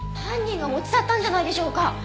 犯人が持ち去ったんじゃないでしょうか。